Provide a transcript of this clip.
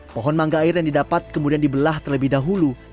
pohon mangga air yang didapat kemudian dibelah terlebih dahulu